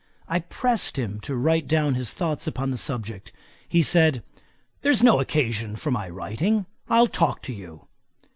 I pressed him to write down his thoughts upon the subject. He said, 'There's no occasion for my writing. I'll talk to you.'